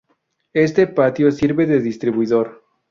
Este patio sirve de distribuidor.